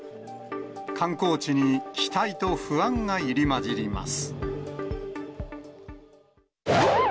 観光地に期待と不安が入り交じります。